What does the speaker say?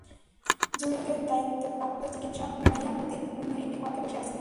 জরুরি বিভাগের দায়িত্বপ্রাপ্ত চিকিৎসক মারিয়া মতিন অন্য একটি কক্ষে বসে আছেন।